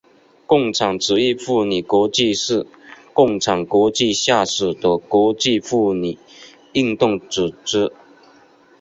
共产主义妇女国际是共产国际下属的国际妇女运动组织。